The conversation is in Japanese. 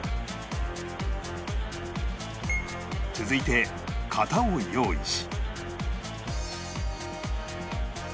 続いて型を用意し